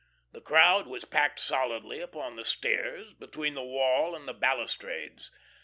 The crowd was packed solidly upon the stairs, between the wall and the balustrades.